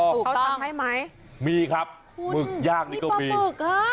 เขาทำให้ไหมมีครับหมึกย่างนี่ก็มีคุณนี่ปะหมึกอ่ะ